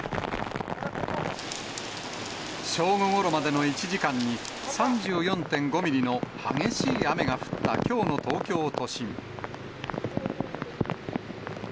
正午ごろまでの１時間に、３４．５ミリの激しい雨が降ったきょうの東京都心。